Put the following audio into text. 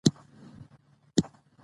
واوره د افغان ښځو په ژوند کې هم رول لري.